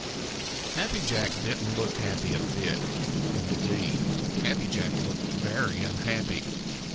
_ Happy Jack didn't look happy a bit. Indeed, Happy Jack looked very unhappy.